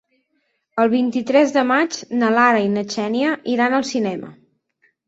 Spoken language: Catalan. El vint-i-tres de maig na Lara i na Xènia iran al cinema.